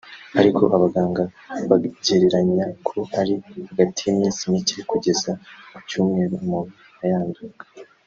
ariko abaganga bagereranya ko ari hagati y’iminsi mike kugeza ku cyumweru umuntu ayanduye